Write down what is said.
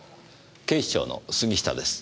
警視庁の杉下です。